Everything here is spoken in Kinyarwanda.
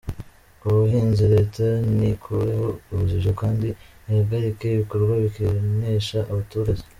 Ubuhinzi: Leta nikureho urujijo kandi ihagarike ibikorwa bikenesha abaturage.